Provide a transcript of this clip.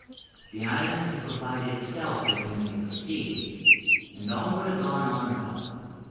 The island can provide itself, as you may perceive, and all would have gone on well.